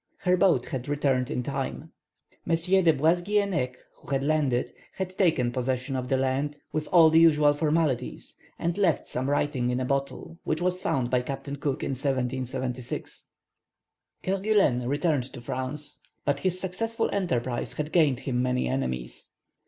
Her boat had returned in time; M. de Boisguehenneuc, who had landed, had taken possession of the land with all the usual formalities, and left some writing in a bottle, which was found by Captain Cook in 1776. Kerguelen returned to France, but his successful enterprise had gained him many enemies.